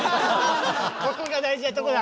ここが大事なとこだ。